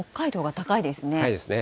高いですね。